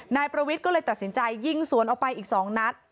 นายประวิทย์ก็เลยตัดสินใจยิงสวนออกไปอีก๒นัด